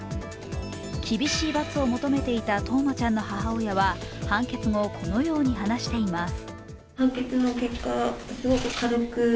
厳しい罰を求めていた冬生ちゃんの母親は判決後、このように話しています。